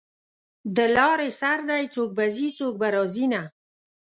د لارې سر دی څوک به ځي څوک به راځینه